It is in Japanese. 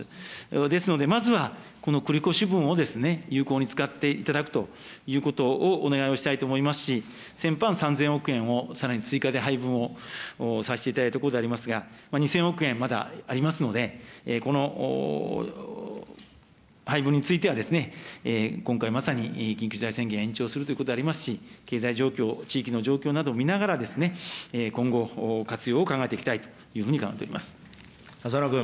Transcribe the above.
ですので、まずはこの繰り越し分を有効に使っていただくということをお願いをしたいと思いますし、先般３０００億円をさらに追加で配分をさせていただいたところでありますが、２０００億円、まだありますので、この配分については、今回、まさに緊急事態宣言延長するということでありますし、経済状況、地域の状況などを見ながら、今後、活用を考えていきたいというふうに考えております。